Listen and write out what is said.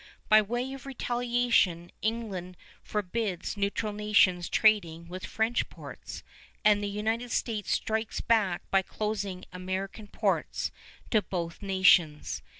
By way of retaliation England forbids neutral nations trading with French ports; and the United States strikes back by closing American ports to both nations.